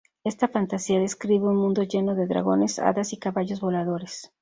Esta fantasía describe un mundo lleno de dragones, hadas y caballos voladores.